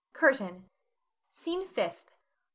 CURTAIN. SCENE FIFTH.